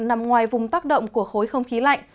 nằm ngoài vùng tác động của khối không khí lạnh